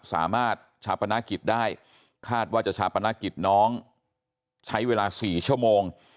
สามารถชาปนกิจได้คาดว่าจะชาปนกิจน้องใช้เวลา๔ชั่วโมง